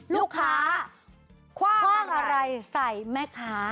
ลูกค้าคว่างอะไรใส่แม่ค้า